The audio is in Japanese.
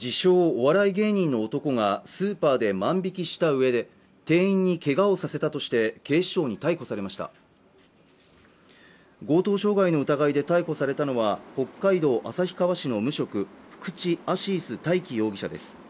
お笑い芸人の男がスーパーで万引きした上で店員に怪我をさせたとして警視庁に逮捕されました強盗傷害の疑いで逮捕されたのは北海道旭川市の無職福地アシイス大樹容疑者です